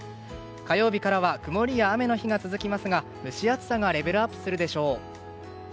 火曜日からは曇りや雨の日が続きますが蒸し暑さがレベルアップするでしょう。